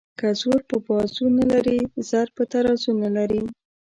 ـ که زور په بازو نه لري زر په ترازو نه لري.